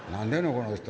この人」。